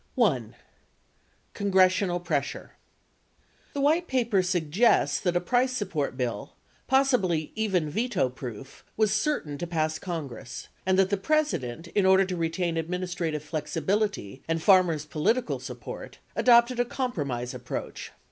1. CONGRESSIONAL PRESSURE The White Paper suggests that a price support bill — possibly even veto proof— was certain to pass Congress and that the President, in order to retain administrative flexibility and farmers' political sup port, adopted a compromise approach.